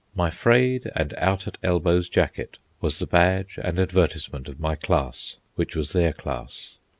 My frayed and out at elbows jacket was the badge and advertisement of my class, which was their class.